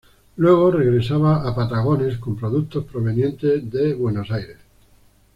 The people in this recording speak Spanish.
Luego regresaba a Patagones con productos provenientes de Buenos Aires.